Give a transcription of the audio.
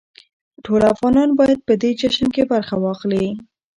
ټول افغانان بايد په دې جشن کې برخه واخلي.